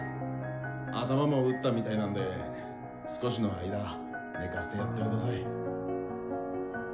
頭も打ったみたいなんで少しの間寝かせてやってください。